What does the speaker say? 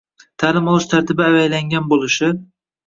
Taʼlim olish tartibi avaylangan bo‘lishi